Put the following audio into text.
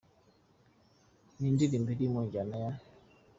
Ni indirimbo iri mu njyana ya.